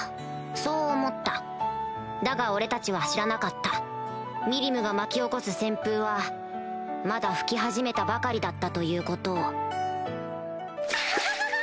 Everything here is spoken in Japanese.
そう思っただが俺たちは知らなかったミリムが巻き起こす旋風はまだ吹き始めたばかりだったということをアハハ！